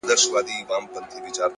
د حقیقت مینه ذهن آزادوي،